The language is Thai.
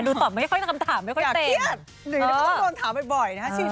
ดูตอบไม่ค่อยทำถามไม่ค่อยเต่นอยากเครียดหรือว่าต้องการถามบ่อยนะครับ